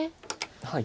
はい。